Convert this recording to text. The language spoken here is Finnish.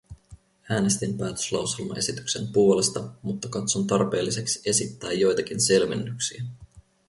Äänestin päätöslauselmaesityksen puolesta, mutta katson tarpeelliseksi esittää joitakin selvennyksiä.